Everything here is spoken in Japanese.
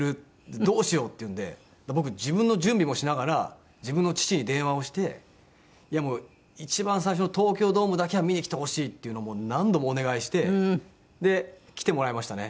「どうしよう？」って言うんで僕自分の準備もしながら自分の父に電話をして「いやもう一番最初の東京ドームだけは見に来てほしい」っていうのをもう何度もお願いして来てもらいましたね。